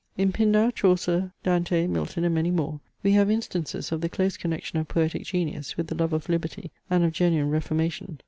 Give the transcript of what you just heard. In Pindar, Chaucer, Dante, Milton, and many more, we have instances of the close connection of poetic genius with the love of liberty and of genuine reformation.